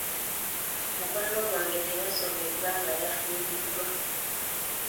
Mukwano gwange teyasomye kubanga yafiiriddwa.